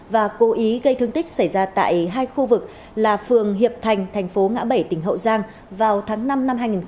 và cố ý gây thương tích xảy ra tại hai khu vực là phường hiệp thành thành phố ngã bảy tỉnh hậu giang vào tháng năm năm hai nghìn một mươi chín